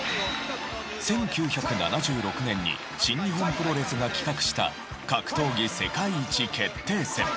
１９７６年に新日本プロレスが企画した格闘技世界一決定戦。